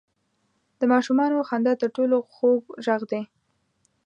• د ماشومانو خندا تر ټولو خوږ ږغ دی.